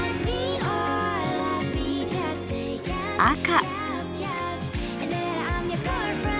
赤。